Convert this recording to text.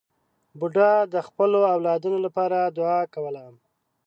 بوډا د خپلو اولادونو لپاره دعا کوله.